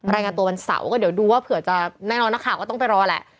รายงานตัววันเสาร์ก็เดี๋ยวดูว่าเผื่อจะแน่นอนนักข่าวก็ต้องไปรอแหละ